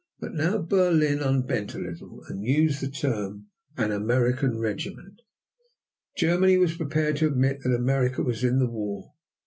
But now Berlin unbent a little and used the term "an American regiment." Germany was prepared to admit that America was in the war.